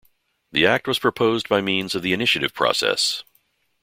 The Act was proposed by means of the initiative process.